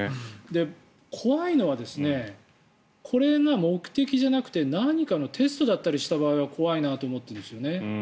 怖いのは、これが目的じゃなくて何かのテストだったりした場合は怖いと思うんですよね。